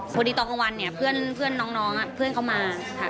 พอดีตอนกลางวันเนี่ยเพื่อนน้องเพื่อนเขามาค่ะ